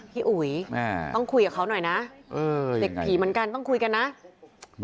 พี่อุ๋ยต้องคุยกับเขาน่ะด้านนี้เนี่ยเด็กผีเหมือนกันต้องคุยกันนะ